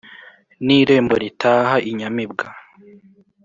n' irembo ritaha inyamibwa